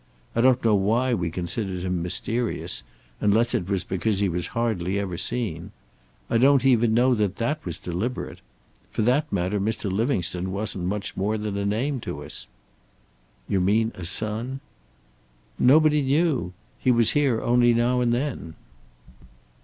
I don't know why we considered him mysterious, unless it was because he was hardly ever seen. I don't even know that that was deliberate. For that matter Mr. Livingstone wasn't much more than a name to us." "You mean, a son?" "Nobody knew. He was here only now and then."